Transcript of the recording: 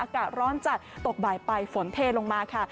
อากาศร้อนจัดตกบ่ายไปฝนเทลงมาค่ะ